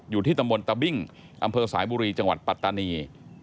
อยู่ที่ตำบลตะบิ้งอำเภอสายบุรีจังหวัดปัตตานี